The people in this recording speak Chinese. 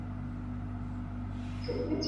她们的出现让武大对生活重新燃起希望。